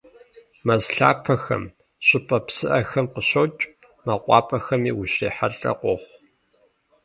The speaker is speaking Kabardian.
Мэз лъапэхэм, щӏыпӏэ псыӏэхэм къыщокӏ, мэкъупӏэхэми ущрихьэлӏэ къохъу.